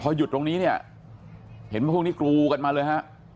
หยุดตรงนี้เนี่ยเห็นพวกนี้กรูกันมาเลยฮะ